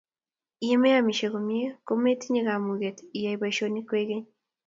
ye me amisie komye ko mumetinye kamuget iyai boisinikab kwekeny